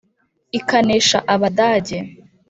Ikanesha Abadage :